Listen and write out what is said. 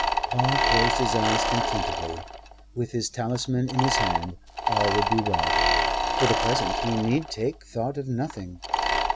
Paul closed his eyes contentedly. With his talisman in his hand, all would be well. For the present he need take thought of nothing.